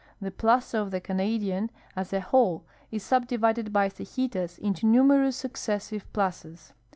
The ])laza of the Canadian as a whole is subdivided cejitas into numerous succe.ssive plazas.